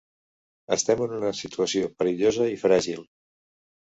Estem en una situació perillosa i fràgil.